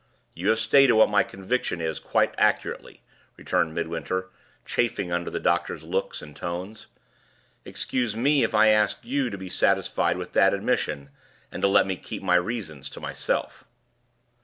"You have stated what my conviction is quite accurately," returned Midwinter, chafing under the doctor's looks and tones. "Excuse me if I ask you to be satisfied with that admission, and to let me keep my reasons to myself."